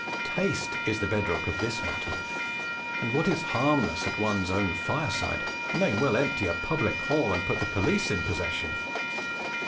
Taste is the bed rock of this matter, and what is harmless at one's own fireside might well empty a public hall and put the police in possession.